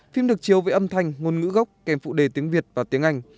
phim được chiếu với âm thanh ngôn ngữ gốc kèm phụ đề tiếng việt và tiếng anh